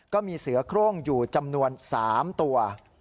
ก็มีเสือโครงอยู่จำนวน๓ตัว